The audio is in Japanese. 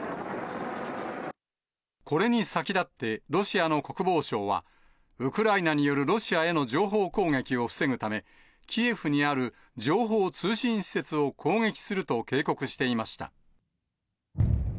これに先立って、ロシアの国防省は、ウクライナによるロシアへの情報攻撃を防ぐため、キエフにある情報・通信施設を攻撃すると警告していました。